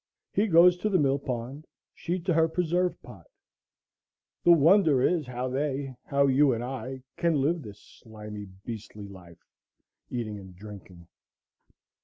He goes to the mill pond, she to her preserve pot. The wonder is how they, how you and I, can live this slimy, beastly life, eating and drinking.